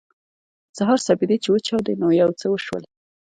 د سهار سپېدې چې وچاودېدې نو یو څه وشول